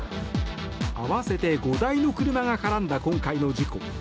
合わせて５台の車が絡んだ今回の事故。